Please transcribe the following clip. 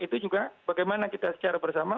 itu juga bagaimana kita secara bersama